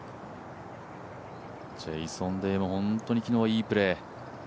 ジェイソン・デイも昨日は本当にいいプレー。